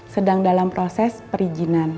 sedang dalam proses perizinan